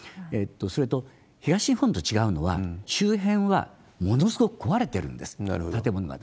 それと東日本と違うのは、周辺はものすごく壊れてるんです、建物が。